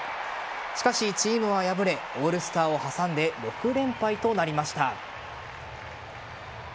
しかし、チームは敗れオールスターを挟んで６連敗となりました。